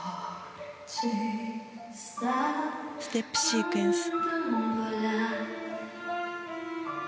ステップシークエンス。